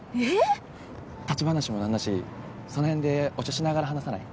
立ち話もなんだしその辺でお茶しながら話さない？